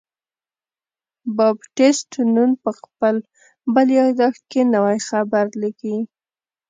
بابټیست نون په خپل بل یادښت کې نوی خبر لیکي.